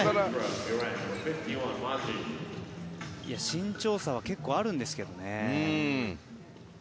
身長差は結構あるんですけどね。